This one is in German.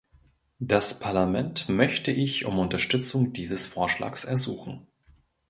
Das Parlament möchte ich um Unterstützung dieses Vorschlags ersuchen.